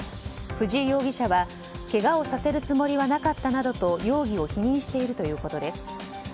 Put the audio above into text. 藤井容疑者はけがをさせるつもりはなかったなどと容疑を否認しているということです。